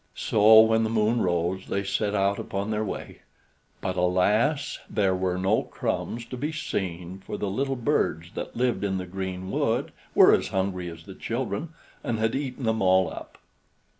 So when the moon rose they set out upon their way; but alas! there were no crumbs to be seen, for the little birds that lived in the green wood were as hungry as the children, and had eaten them all up.